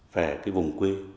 về cái vùng quê